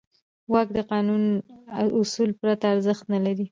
واک د قانوني اصولو پرته ارزښت نه لري.